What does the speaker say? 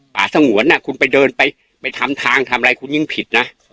สงวนคุณไปเดินไปทำทางทำอะไรคุณยิ่งผิดนะ